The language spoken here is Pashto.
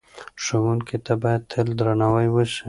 ښوونکو ته باید تل درناوی وسي.